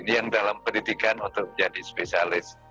yang dalam pendidikan untuk menjadi spesialis